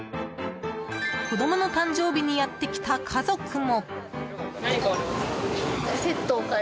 子供の誕生日にやってきた家族も。